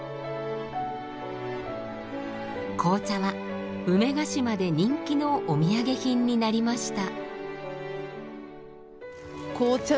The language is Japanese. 紅茶は梅ヶ島で人気のお土産品になりました。